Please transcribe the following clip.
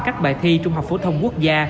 các bài thi trung học phổ thông quốc gia